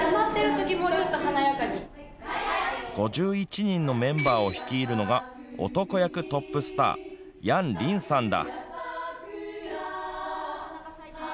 ５１人のメンバーを率いるのが男役トップスター、楊琳さんだ。